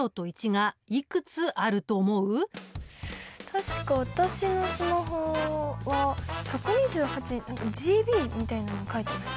確か私のスマホは「１２８ＧＢ」みたいなの書いてました。